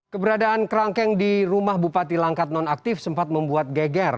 keberadaan kerangkeng di rumah bupati langkat nonaktif sempat membuat geger